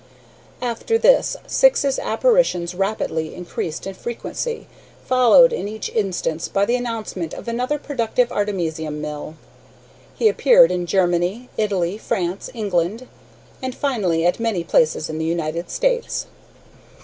After this Syx's apparitions rapidly increased in frequency, followed in each instance by the announcement of another productive artemisium mill. He appeared in Germany, Italy, France, England, and finally at many places in the United States.